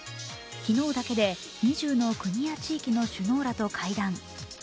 昨日だけで２０の国や地域の首脳らと会談。